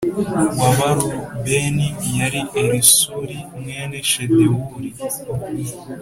w Abarubeni yari Elisuri mwene Shedewuri